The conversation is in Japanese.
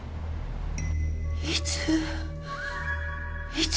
いつ？